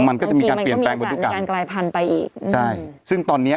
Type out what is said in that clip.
มันก็จะมีการเปลี่ยนแปลงพอดีมีการกลายพันธุ์ไปอีกใช่ซึ่งตอนเนี้ย